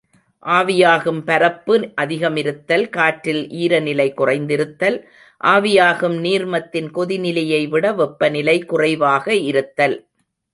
ஆவியாகும் பரப்பு அதிகமிருத்தல், காற்றில் ஈரநிலை குறைந்திருத்தல், ஆவியாகும் நீர்மத்தின் கொதிநிலையைவிட வெப்பநிலை குறைவாக இருத்தல்.